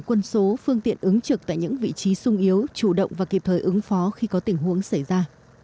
quân số phương tiện ứng trực tại những vị trí sung yếu chủ động và kịp thời ứng phó khi có tình huống xảy ra